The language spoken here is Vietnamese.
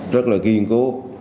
rất là kiên cố